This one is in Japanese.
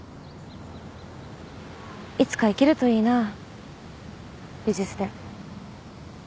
いつか行けるといいなぁ美術展。